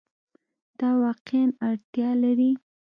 دا واقعیا اړتیا لري